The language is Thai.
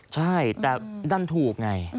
ใช่แต่ดันถูกไง